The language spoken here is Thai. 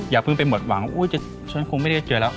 อย่าเพิ่งไปหมดหวังฉันคงไม่ได้เจอแล้ว